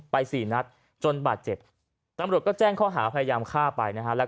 สี่นัดจนบาดเจ็บตำรวจก็แจ้งข้อหาพยายามฆ่าไปนะฮะ